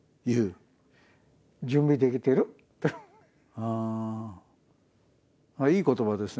ああいい言葉ですね。